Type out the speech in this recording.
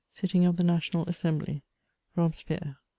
SITTINO 07 THB NATIONAL ASSEMBLY — ROBESFIEBRB.